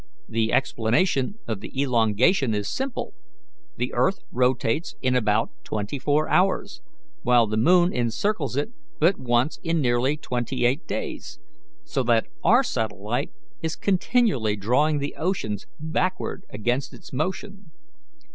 The explanation of the elongation is simple: the earth rotates in about twenty four hours, while the moon encircles it but once in nearly twenty eight days, so that our satellite is continually drawing the oceans backward against its motion.